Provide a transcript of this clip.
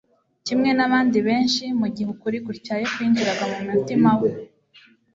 Kimwe n'abandi benshi, mu gihe ukuri gutyaye kwinjiraga mu mutima we,